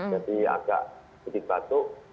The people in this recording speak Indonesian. jadi agak sedikit batuk